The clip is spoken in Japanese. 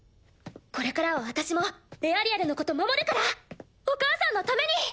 これからは私もエアリアルのこと守るからお母さんのために。